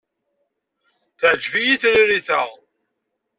Teɛjeb-iyi tririt-a.